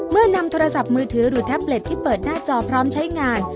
นำโทรศัพท์มือถือหรือแท็บเล็ตที่เปิดหน้าจอพร้อมใช้งาน